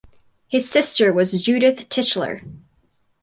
His sister was Judith Tischler.